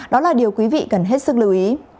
đó là điều quý vị cần hết sức lưu ý